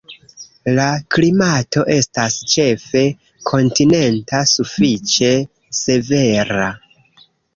La klimato estas ĉefe kontinenta, sufiĉe severa.